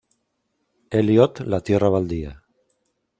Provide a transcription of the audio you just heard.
Eliot "La tierra baldía".